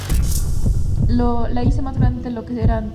La hice más grande de lo que antes era.